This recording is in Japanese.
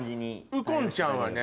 右近ちゃんはね